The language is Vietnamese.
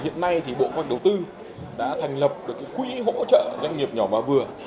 hiện nay thì bộ khoa học đầu tư đã thành lập được quỹ hỗ trợ doanh nghiệp nhỏ và vừa